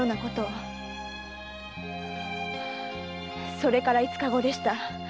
それから五日後でした。